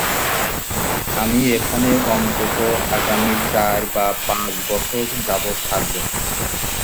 আমি এখানে অন্তত আগামী চার বা পাঁচ বছর যাবত থাকবো।